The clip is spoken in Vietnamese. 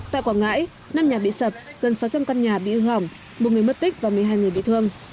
tại quảng ngãi năm nhà bị sập gần sáu trăm linh căn nhà bị hư hỏng một người mất tích và một mươi hai người bị thương